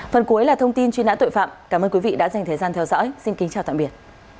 phần cuối là thông tin truy nã tội phạm cảm ơn quý vị đã dành thời gian theo dõi xin kính chào tạm biệt